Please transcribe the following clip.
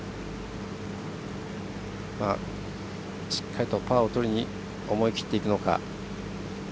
しっかりとパーをとりに思い切っていくのか。